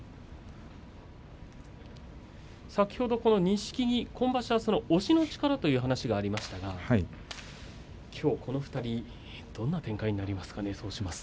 錦木、押しの力という話がありましたけどもきょうこの２人どんな展開になりますかね？